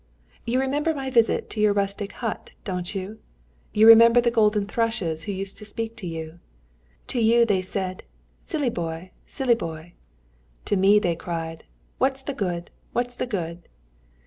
You remember my visit to your rustic hut, don't you? You remember the golden thrushes who used to speak to you? To you they said, 'Silly boy! silly boy!' to me they cried, 'What's the good! what's the good!'